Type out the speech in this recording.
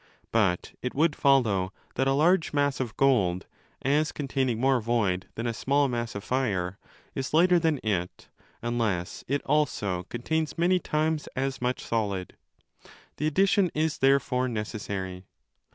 But it would follow that a large mass of gold, as containing more void than a small mass of fire, is lighter than it, unless it also contains many times as much solid. The addition is there fore necessary.